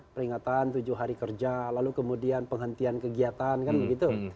peringatan tujuh hari kerja lalu kemudian penghentian kegiatan kan begitu